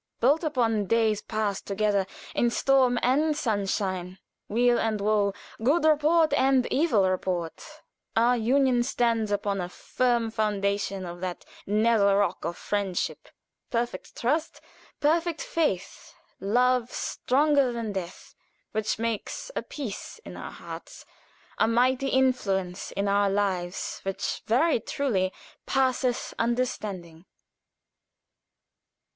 Built upon days passed together in storm and sunshine, weal and woe, good report and evil report, our union stands upon a firm foundation of that nether rock of friendship, perfect trust, perfect faith, love stronger than death, which makes a peace in our hearts, a mighty influence in our lives which very truly "passeth understanding."